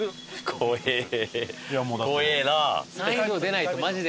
怖えな！